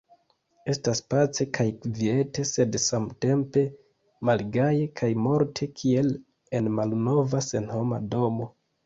Estas pace kaj kviete sed samtempe malgaje kaj morte kiel en malnova, senhoma domo.